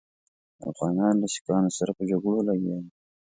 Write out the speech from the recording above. افغانان له سیکهانو سره په جګړو لګیا دي.